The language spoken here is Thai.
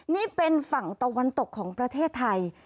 นี่เป็นฝั่งตะวันตกของประเทศไทย